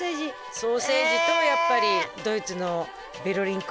ソーセージとやっぱりドイツのベルリンっ子じゃない？